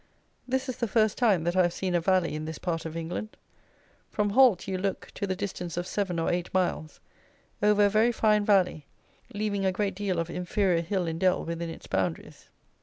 This is the first time that I have seen a valley in this part of England. From Holt you look, to the distance of seven or eight miles, over a very fine valley, leaving a great deal of inferior hill and dell within its boundaries.